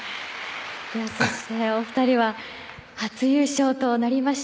お二人は初優勝となりました。